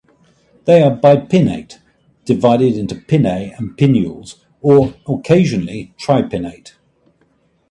They are bipinnate (divided into pinnae and pinnules) or occasionally tripinnate.